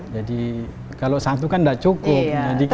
jadi kalau satu kan tidak cukup